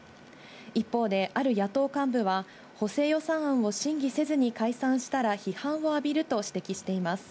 一方で、ある野党幹部は、補正予算案を審議せずに解散したら批判を浴びると指摘しています。